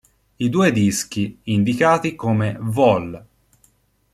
I due dischi, indicati come "Vol.